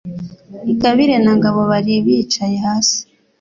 Ingabire na ngabo bari bicaye hasi.